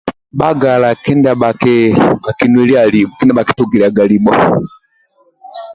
Bhagala kindia bhaki kindia bhakinueliaga kindia bhakitugiliaga libho